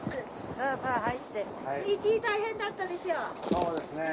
そうですね。